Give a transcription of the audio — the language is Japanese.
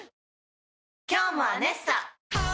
今日も「アネッサ」！